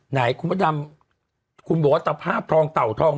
ไหนกุณผู้ดำกุมบอกว่าภาพทองเต่าทอง